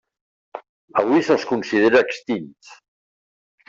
Avui se'ls considera extints.